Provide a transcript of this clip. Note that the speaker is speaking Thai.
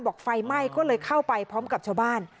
ไฟไหม้ก็เลยเข้าไปพร้อมกับชาวบ้าน